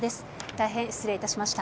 大変失礼いたしました。